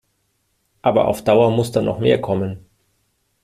Aber auf Dauer muss da noch mehr kommen.